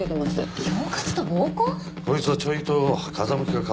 こいつはちょいと風向きが変わってきたな。